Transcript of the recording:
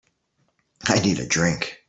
I need a drink.